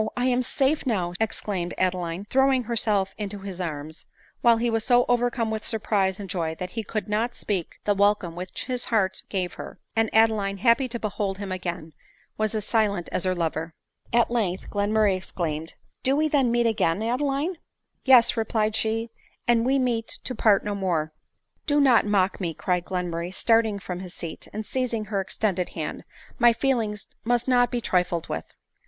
I am safe now !" exclaimed Adeline, throwing herself into his arms ; while he was so overcome with surprise and joy that he could not speak the welcome which his heart gave her ; and Adeline, happy to behold him again, was as silent as her lover. At length Glen murray exclaimed ;" Do we then meet again, Adeline !"" Yes," replied she ;" and we meet to part no more. 55 " Do not mock me," cried Glenmurray starting from his seat, and seizing her extended hand; "my feelings must not be trifled with."